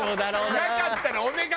なかったら「お願い！